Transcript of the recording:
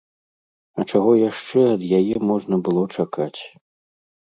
А чаго яшчэ ад яе можна было чакаць?